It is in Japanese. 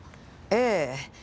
ええ。